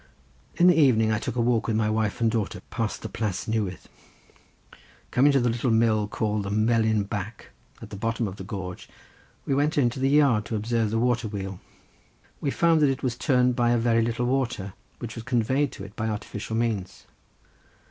In the evening I took a walk with my wife and daughter past the Plas Newydd. Coming to the little mill called the Melyn Bac, at the bottom of the gorge, we went into the yard to observe the water wheel. We found that it was turned by a very little water, which was conveyed to it by artificial means.